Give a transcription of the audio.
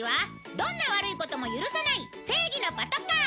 どんな悪いことも許さない正義のパトカー